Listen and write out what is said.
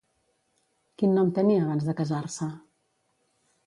Quin nom tenia abans de casar-se?